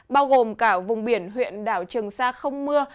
bao gồm cả vùng biển huyện đảo trường sa không mưa